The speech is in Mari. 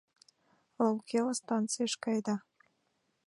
Лаукела станцийыш каеда?